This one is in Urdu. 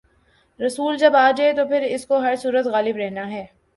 رسول جب آ جائے تو پھر اس کو ہر صورت غالب رہنا ہے۔